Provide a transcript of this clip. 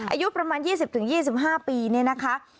อายุประมาณ๒๐๒๕ปีเนี่ยนะคะ